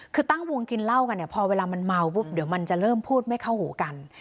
คือตั้งวงกินเหล้ากันเนี่ยพอเวลามันเมาปุ๊บเดี๋ยวมันจะเริ่มพูดไม่เข้าหูกัน